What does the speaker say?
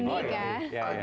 oh ini kan